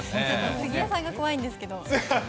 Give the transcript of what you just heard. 杉江さんが怖いんですけど。